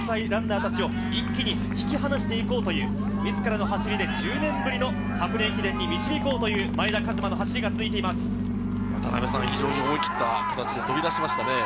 先輩ランナーたちを一気に引き離していこうという自らの走りで、１０年ぶりの箱根駅伝に導こうという前田和摩の走思い切った形で飛び出しましたね。